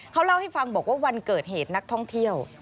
เขาเล่าให้ฟังบอกว่าวันเกิดเหตุนักท่องเที่ยว